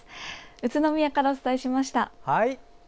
宇都宮からお伝えしました。